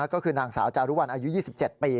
ก็คือนางสาวจารุวัลอายุ๒๗ปี